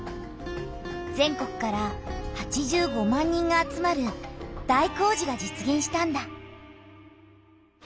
全国から８５万人が集まる大工事が実げんしたんだ。